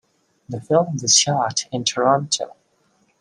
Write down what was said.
The film was shot in Toronto.